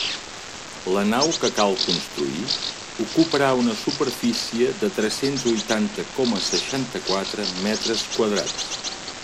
La nau que cal construir ocuparà una superfície de tres-cents huitanta coma seixanta-quatre metres quadrats.